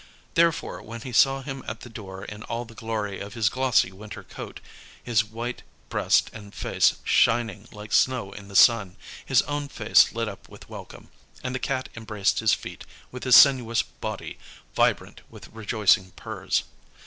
Therefore, when he saw him at the door in all the glory of his glossy winter coat, his white breast and face shining like snow in the sun, his own face lit up with welcome, and the Cat embraced his feet with his sinuous body vibrant with rejoicing purrs.